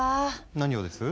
何をです？